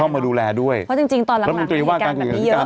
เพราะจริงตอนหลังมีการแบบนี้เยอะ